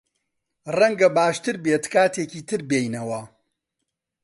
ڕەنگە باشتر بێت کاتێکی تر بێینەوە.